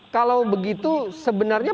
kalau begitu sebenarnya